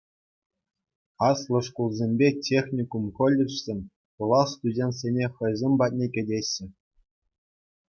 Аслӑ шкулсемпе техникум-колледжсем пулас студентсене хӑйсем патне кӗтеҫҫӗ.